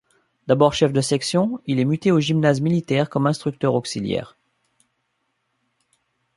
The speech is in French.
D'abord chef de section, il est muté au gymnase militaire comme instructeur auxiliaire.